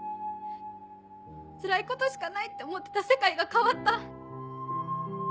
つらいことしかないって思ってた世界が変わった。